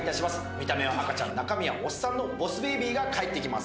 見た目は赤ちゃん、中身はおっさんのボス・ベイビーが帰ってきます。